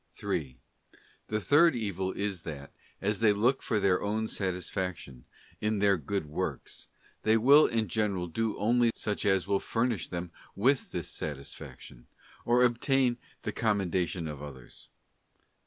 3. The third evil is that, as they look for their own satis faction in their good works, they will in general do only such as will furnish them with this satisfaction, or obtain the commendation of others.